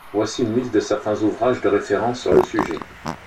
Voici une liste de certains ouvrages de référence sur le sujet.